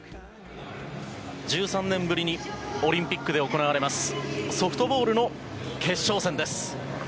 １３年ぶりにオリンピックで行われます、ソフトボールの決勝戦です。